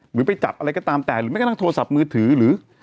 หรือไปจับอะไรก็ตามแต่หรือไม่กระทั่งโทรศัพท์มือถือหรือ